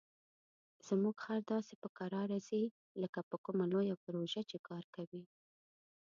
زموږ خر داسې په کراره ځي لکه په کومه لویه پروژه چې کار کوي.